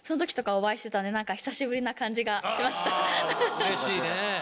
うれしいね。